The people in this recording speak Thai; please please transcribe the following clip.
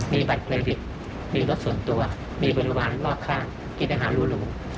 มีบัตรเครดิตมีรถส่วนตัวมีบริวารรอบข้างกินอาหารหรู